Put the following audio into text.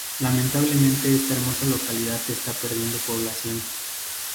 Lamentablemente esta hermosa localidad está perdiendo población.